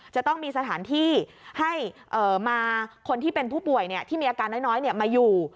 จะต้องมีสถานที่ให้มาคนที่เป็นผู้ป่วยที่มีอาการน้อยมาอยู่